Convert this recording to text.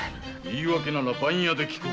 いい訳なら番屋で聞く。